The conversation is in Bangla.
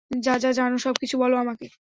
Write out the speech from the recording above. যা যা জানো, সবকিছু বলো আমাকে।